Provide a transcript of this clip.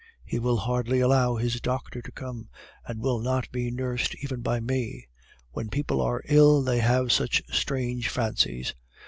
He will hardly allow his doctor to come, and will not be nursed even by me. When people are ill, they have such strange fancies!